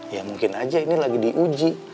ya mungkin aja ini lagi diuji